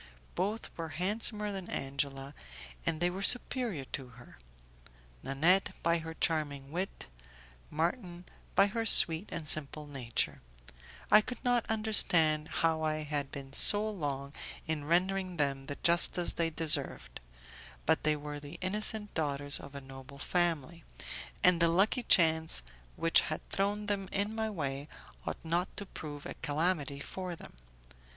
Both were handsomer than Angela, and they were superior to her Nanette by her charming wit, Marton by her sweet and simple nature; I could not understand how I had been so long in rendering them the justice they deserved, but they were the innocent daughters of a noble family, and the lucky chance which had thrown them in my way ought not to prove a calamity for them.